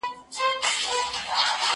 زه بازار ته تللی دی؟